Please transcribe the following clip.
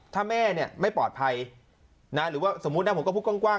ถ้าแม่เนี่ยไม่ปลอดภัยนะหรือว่าสมมุตินะผมก็พูดกว้าง